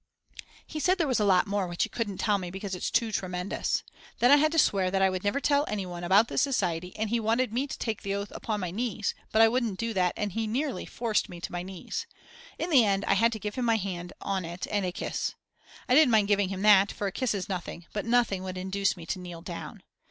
He said there was a lot more which he couldn't tell me because it's too tremendous. Then I had to swear that I would never tell anyone about the society and he wanted me to take the oath upon my knees, but I wouldn't do that and he nearly forced me to my knees. In the end I had to give him my hand on it and a kiss. I didn't mind giving him that, for a kiss is nothing, but nothing would induce me to kneel down.